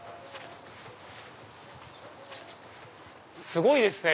すごいですね！